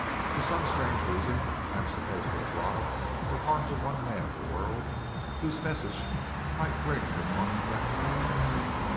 For some strange reason, I am supposed to have robbed or harmed the one man in the world whose message might bring to nought that Conference.